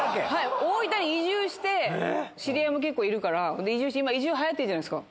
大分に移住して、知り合いも結構いるから、移住して、今、移住はやってるじゃないですか。